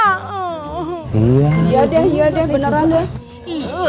iya deh iya deh beneran deh